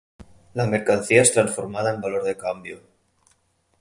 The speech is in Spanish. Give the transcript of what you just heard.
La mercancía es transformada en valor de cambio.